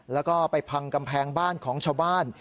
แล้วก็ไปพังกำแพงบ้านของชาวบ้าน